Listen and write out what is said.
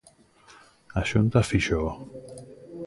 A Xunta fíxoo.